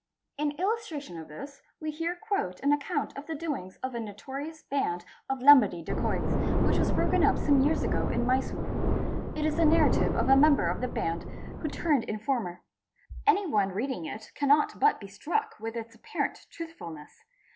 : In illustration of this we here quote an account of the doings of a notorious band of Lambadi dacoits, which was broken up some years ago in Mysore. It is the narrative of a member of the band who turned ) informer. Any one reading it cannot but be struck with its apparent truthfulness.